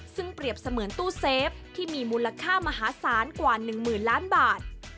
ซึ่งเปรียบเสมือนตู้เซฟที่มีมูลค่ามหาศาลกว่า๑๐๐๐ล้านบาท